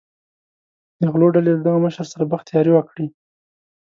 د غلو ډلې له دغه مشر سره بخت یاري وکړي.